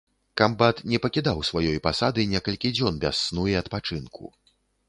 Камбат не пакідаў сваёй пасады некалькі дзён без сну і адпачынку.